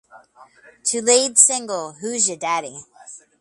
The lead single, Who's Ya Daddy?